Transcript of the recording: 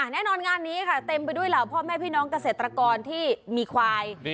แน่นอนงานนี้ค่ะเต็มไปด้วยเหล่าพ่อแม่พี่น้องเกษตรกรที่มีควาย